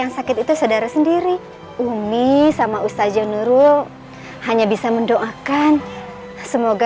yang sakit itu saudara sendiri umi sama ustaz janurul hanya bisa mendoakan semoga